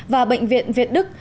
và bệnh viện việt đức